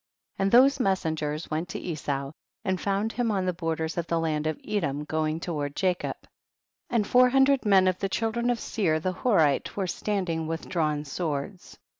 7. And those messengers went to Esau, and found him on the borders of the land of Edom going toward Jacob, and four hundred men of the children of Seir the Horitc were standing with drawn swords.